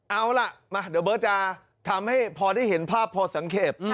เอาล่ะมาเดี๋ยวเบิร์ตจะทำให้พอได้เห็นภาพพอสังเกต